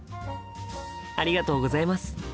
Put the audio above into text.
ありがとうございます。